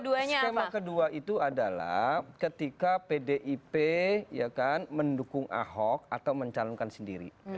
jadi kalau skema kedua itu adalah ketika pdip ya kan mendukung ahok atau mencalonkan sendiri